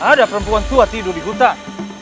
ada perempuan tua tidur di hutan